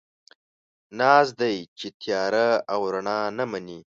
ناز دی، چې تياره او رڼا نه مني